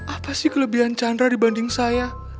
apa sih kelebihan chandra dibanding saya